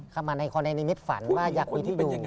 ครับมาในมิตรฝันว่าอยากมีที่อยู่